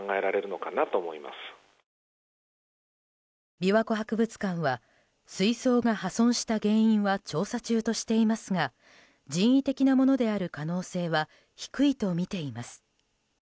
琵琶湖博物館は水槽が破損した原因は調査中としていますが人為的なものである可能性は低いとみています。